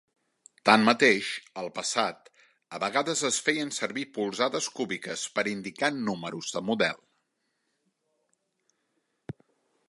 Tanmateix, al passat, a vegades es feien servir polzades cúbiques per indicar números de model.